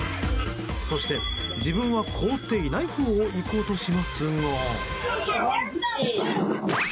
そして自分は凍っていないほうを行こうとしますが。